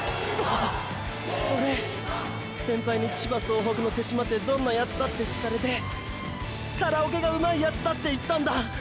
っ⁉オレ先輩に千葉総北の手嶋ってどんなヤツだってきかれてカラオケが上手いヤツだって言ったんだ。